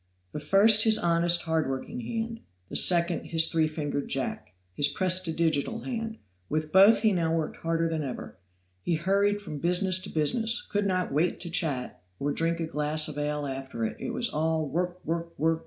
The first his honest, hard working hand; the second his three fingered Jack, his prestidigital hand; with both he now worked harder than ever. He hurried from business to business could not wait to chat, or drink a glass of ale after it; it was all work! work!